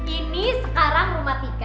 ini sekarang rumah tika